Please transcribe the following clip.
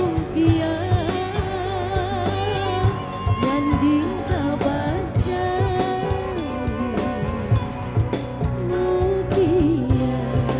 nyanding kabar jalan mulia